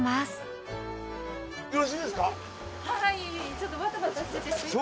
ちょっとバタバタしててすいません。